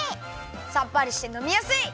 さっぱりしてのみやすい！